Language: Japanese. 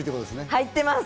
入ってます。